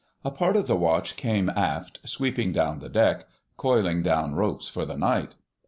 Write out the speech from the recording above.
A part of the Watch came aft, sweeping down the deck, coiling down ropes for the night.